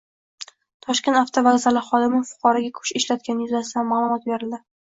Toshkent avtovokzali xodimi fuqaroga kuch ishlatgani yuzasidan ma’lumot berildi